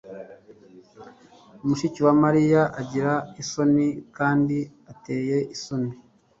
Mushiki wa Mariya agira isoni kandi ateye isoni